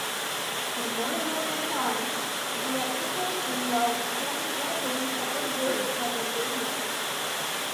In more modern times, the application of heavy weapon support groups has increased.